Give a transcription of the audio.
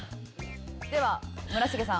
では村重さん。